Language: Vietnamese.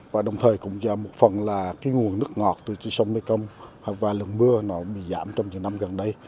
và đồng thời cũng do một phần là cái nguồn nước ngọt từ sông mê công và lần mưa nó bị giảm trong những năm gần đây